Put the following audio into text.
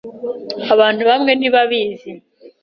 Abantu bamwe ntibabizi.